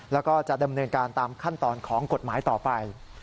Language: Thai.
แล้วก็จะดำเนินการตามขั้นตอนของกฎหมายต่อไป